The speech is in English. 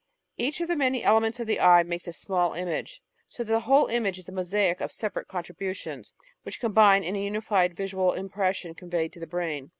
Each of the many elements of the eye makes a small image, so that the whole image is a mosaic of separate contributions, which combine in a imified visual impression conveyed to the brain.